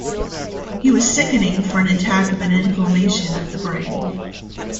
He was sickening for an attack of an inflammation of the brain.